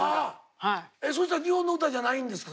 そしたら日本の歌じゃないんですか？